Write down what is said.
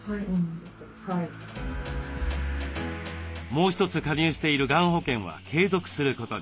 もう一つ加入しているがん保険は継続することに。